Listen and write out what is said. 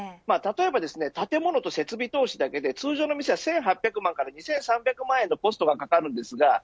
例えば建物と設備投資だけで通常の店は１８００万から２３００万円のコストがかかります。